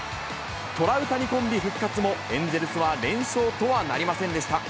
トラウタニコンビ復活も、エンゼルスは連勝とはなりませんでした。